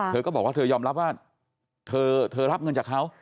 เธอก็บอกว่าเธอยอมรับว่าเธอรับเงินจากเขา